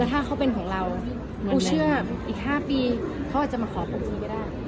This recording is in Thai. แล้วถ้าเขาเป็นของเรากูเชื่ออ่ะอีกห้าปีเขาอาจจะมาขอควบคุมไปได้อืม